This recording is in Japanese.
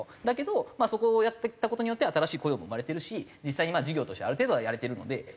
だけどそこをやってきた事によって新しい雇用も生まれてるし実際に事業としてある程度はやれているので。